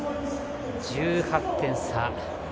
１８点差。